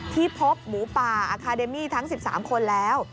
ที่พบหมูป่าอาคาเดมี่ทั้ง๑๓คนแล้ว